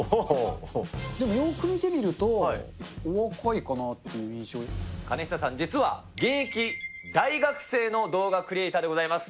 でもよく見てみると、お若いかなかねひささん、実は現役大学生の動画クリエーターでございます。